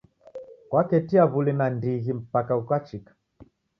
Kwaketia w'uli nandighi mpaka ghwachika.